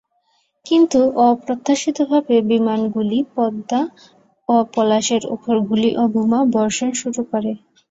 কিন্তু অপ্রত্যাশিতভাবে বিমানগুলি পদ্মা ও পলাশের ওপর গুলি ও বোমা বর্ষণ শুরু করে।